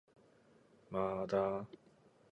まーだ